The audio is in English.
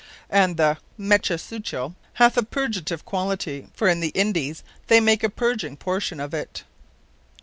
And the Mechasuchil hath a Purgative quality; for in the Indies they make a purging portion of it.